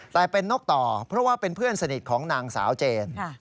แต่เป็นนกต่อเพราะว่าเป็นเพื่อนสนิทของนางสาวเจน